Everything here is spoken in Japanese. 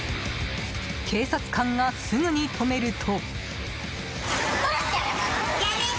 警察官がすぐに止めると。